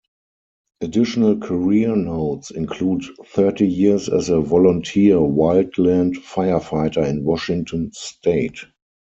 Additional career notes include thirty years as a volunteer wildland firefighter in Washington State.